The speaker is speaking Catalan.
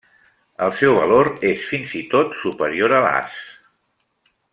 El seu valor és fins i tot superior a l'as.